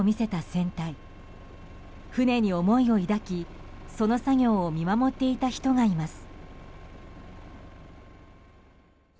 船に思いを抱き、その作業を見守っていた人がいます。